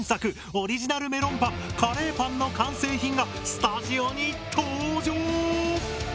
オリジナルメロンパンカレーパンの完成品がスタジオに登場！